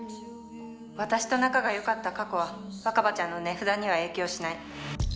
私と仲が良かった過去は若葉ちゃんの値札には影響しない。